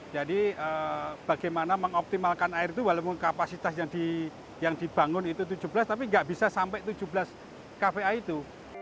jadi bagaimana mengoptimalkan air itu walaupun kapasitas yang dibangun itu tujuh belas tapi nggak bisa sampai tujuh belas kva itu